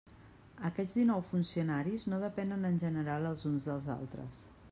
Aquests dinou funcionaris no depenen en general els uns dels altres.